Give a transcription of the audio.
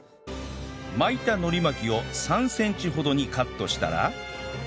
巻いた海苔巻きを３センチほどにカットしたら